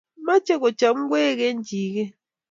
meche kochop ngwek eng' jiket